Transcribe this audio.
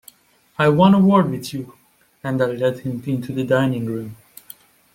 “I want a word with you.” And I led him into the dining-room.